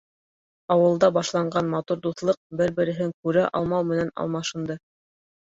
Ауылда башланған матур дуҫлыҡ бер-береһен күрә алмау менән алмашынды.